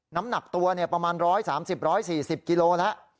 น้ำหนักตัวประมาณ๑๓๐๑๔๐กิโลแล้ว